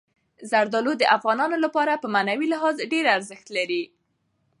زردالو د افغانانو لپاره په معنوي لحاظ ډېر ارزښت لري.